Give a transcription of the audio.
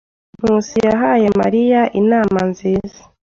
Nkusi yahaye Mariya inama nziza.